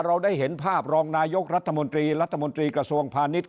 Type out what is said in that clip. เราได้เห็นภาพรองนายกรัฐมนตรีรัฐมนตรีกระทรวงพาณิชย